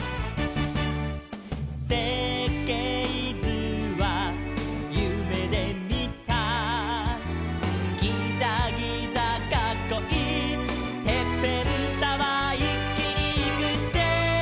「せっけいずはゆめでみた」「ギザギザかっこいいてっぺんタワー」「いっきにいくぜ」